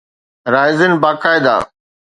Raisin باقاعده